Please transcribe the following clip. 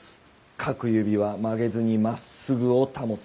各指は曲げずに真っ直ぐを保つ。